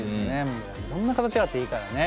もういろんな形があっていいからね。